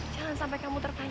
jangan sampai kamu terpancing